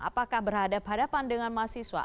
apakah berhadapan dengan mahasiswa